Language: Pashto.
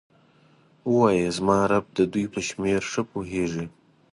ووایه زما رب د دوی په شمیر ښه پوهیږي.